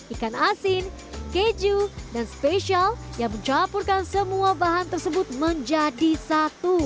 ikan asin keju dan spesial yang mencampurkan semua bahan tersebut menjadi satu